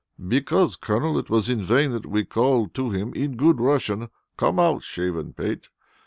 "Because, Colonel, it was in vain that we called to him in good Russian, 'Come out, shaven pate!'